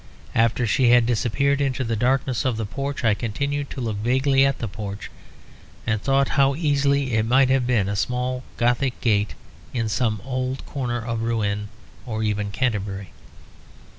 After she had disappeared into the darkness of the porch I continued to look vaguely at the porch, and thought how easily it might have been a small Gothic gate in some old corner of Rouen, or even Canterbury.